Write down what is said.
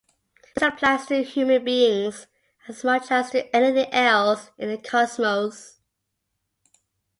This applies to human beings as much as to anything else in the cosmos.